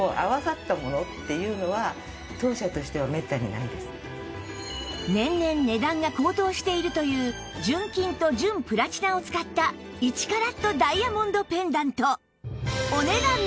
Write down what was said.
ましてまして年々値段が高騰しているという純金と純プラチナを使った１カラットダイヤモンドペンダント